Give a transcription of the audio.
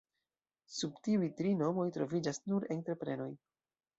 Sub tiuj tri nomoj troviĝas nur entreprenoj.